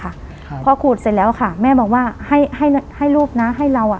ครับพอขูดเสร็จแล้วค่ะแม่บอกว่าให้ให้ให้ลูกนะให้เราอ่ะ